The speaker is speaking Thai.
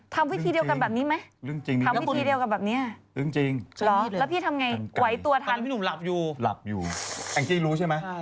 ทำวิธีเดียวกันแบบนี้ไหม